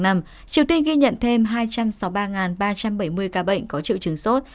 triều tiên ghi nhận thêm hai trăm sáu mươi ba ba trăm bảy mươi ca bệnh có triệu chứng sốt